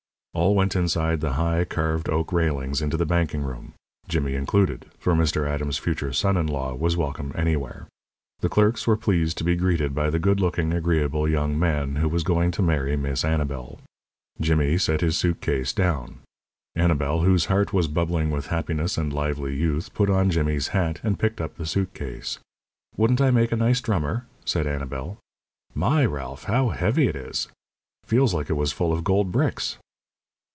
All went inside the high, carved oak railings into the banking room Jimmy included, for Mr. Adams's future son in law was welcome anywhere. The clerks were pleased to be greeted by the good looking, agreeable young man who was going to marry Miss Annabel. Jimmy set his suit case down. Annabel, whose heart was bubbling with happiness and lively youth, put on Jimmy's hat, and picked up the suit case. "Wouldn't I make a nice drummer?" said Annabel. "My! Ralph, how heavy it is? Feels like it was full of gold bricks."